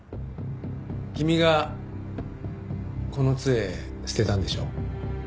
君がこの杖捨てたんでしょ？